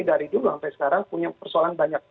dari dulu sampai sekarang punya persoalan banyak